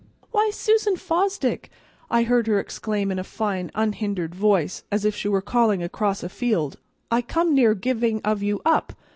"Why, Susan Fosdick," I heard her exclaim in a fine unhindered voice, as if she were calling across a field, "I come near giving of you up!